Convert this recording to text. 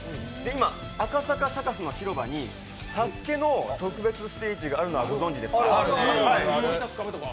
今、赤坂サカスの広場に「ＳＡＳＵＫＥ」の特別ステージがあるのはご存じですか？